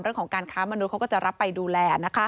เรื่องของการค้ามนุษย์เขาก็จะรับไปดูแล